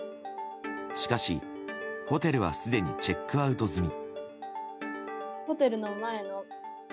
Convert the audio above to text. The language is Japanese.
しかし、ホテルはすでにチェックアウト済み。